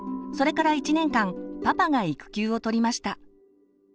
それから１年間パパが育休を取りました。